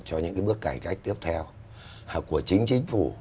cho những bước cải cách tiếp theo của chính chính phủ